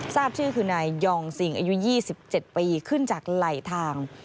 ทราบชื่อคือนายยองซิงอายุ๒๗ปีขึ้นจากไหลทาง